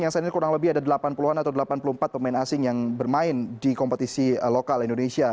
yang saat ini kurang lebih ada delapan puluh an atau delapan puluh empat pemain asing yang bermain di kompetisi lokal indonesia